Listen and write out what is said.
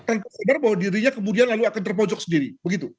tanpa sadar bahwa dirinya kemudian lalu akan terpojok sendiri begitu